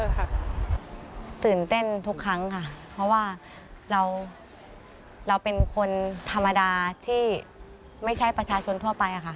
ตื่นเต้นทุกครั้งค่ะเพราะว่าเราเราเป็นคนธรรมดาที่ไม่ใช่ประชาชนทั่วไปอะค่ะ